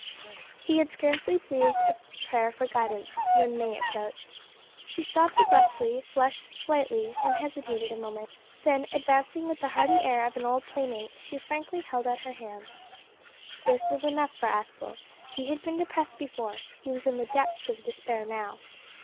He had scarcely breathed a prayer for guidance when May approached. She stopped abruptly, flushed slightly, and hesitated a moment, then, advancing with the hearty air of an old playmate, she frankly held out her hand. This was enough for Aspel. He had been depressed before; he was in the depths of despair now.